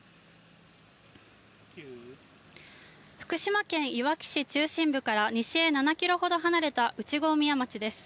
福島県いわき市中心部から西へ７キロほど離れた内郷宮町です。